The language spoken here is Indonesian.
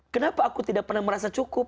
kenapa aku tidak pernah merasa cukup